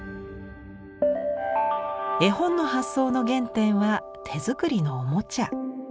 絵本の発想の原点は手作りのおもちゃ。